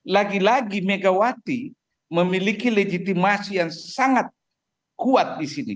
lagi lagi megawati memiliki legitimasi yang sangat kuat di sini